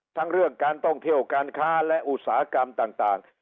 ทั้งเรื่องการท่องเที่ยวการค้าและอุตสาหกรรมต่าง